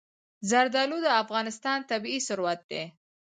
زردالو د افغانستان طبعي ثروت دی.